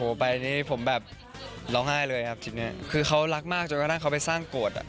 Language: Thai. โอ้โอ้ไปนี่ผมแบบร้องไห้เลยครับทุกวันคือเขารักมากจนกระด้านเขาไปสร้างโกรธ